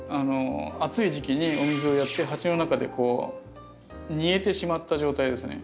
暑い時期にお水をやって鉢の中で煮えてしまった状態ですね。